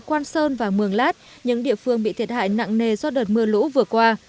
quan sơn và mường lát những địa phương bị thiệt hại nặng nề do đợt mưa lũ vừa qua